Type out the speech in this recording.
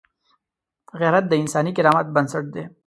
غیرت د انساني کرامت بنسټ دی